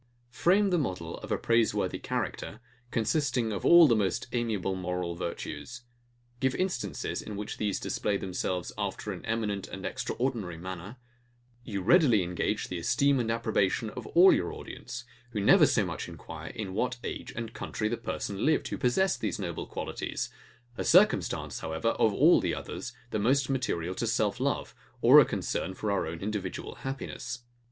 Frame the model of a praiseworthy character, consisting of all the most amiable moral virtues: Give instances, in which these display themselves after an eminent and extraordinary manner: You readily engage the esteem and approbation of all your audience, who never so much as enquire in what age and country the person lived, who possessed these noble qualities: A circumstance, however, of all others, the most material to self love, or a concern for our own individual happiness.